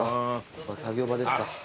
作業場ですか。